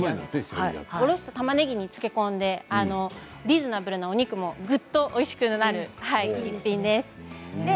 おろしたたまねぎに漬け込んでリーズナブルなお肉もぐっとおいしくなる一品です。